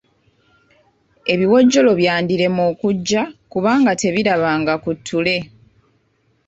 Ebiwojjolo byandirema okujja kubanga tebirabanga ku ttule.